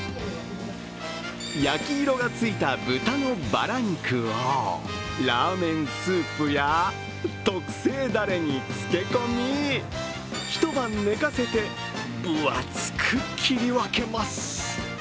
焼き色がついた豚のバラ肉をラーメンスープや特製だれに漬け込み、一晩寝かせて、分厚く切り分けます。